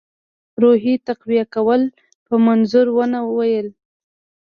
روحیې د تقویه کولو په منظور ونه ویل.